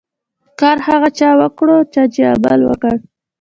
کار هغه چا وکړو، چا چي عمل وکړ.